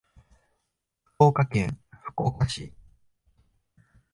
福岡県福岡市